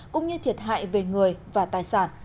cũng như thiệt hại về người và tài sản